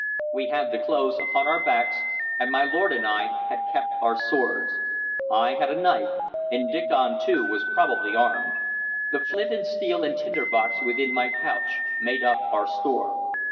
We had the clothes upon our backs, and my lord and I had kept our swords. I had a knife, and Diccon too was probably armed. The flint and steel and tinder box within my pouch made up our store.